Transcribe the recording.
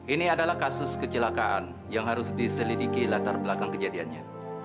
ini adalah kasus kecelakaan yang harus diselidiki latar belakang kejadiannya